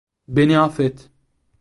Beni affet.